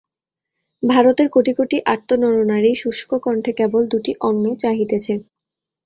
ভারতের কোটি কোটি আর্ত নরনারী শুষ্ককণ্ঠে কেবল দুটি অন্ন চাহিতেছে।